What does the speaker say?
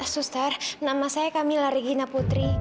suster nama saya kamila regina putri